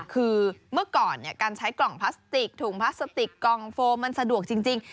คือเมื่อก่อนการใช้กล่องพลาสติกถุงพลาสติกกล่องโฟมมันสะดวกจริง